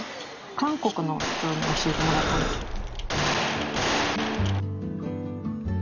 韓国の人に教えてもらったんですけど。